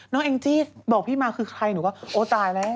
แองจี้บอกพี่มาคือใครหนูก็โอ้ตายแล้ว